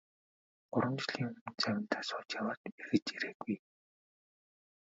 Гурван жилийн өмнө завиндаа сууж яваад эргэж ирээгүй.